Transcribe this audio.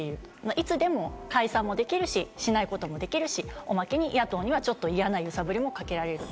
いつでも解散もできるし、しないこともできるし、おまけに野党にはちょっと嫌な揺さぶりもかけられる。